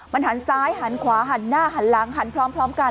มันหันซ้ายหันขวาหันหน้าหันหลังหันพร้อมกัน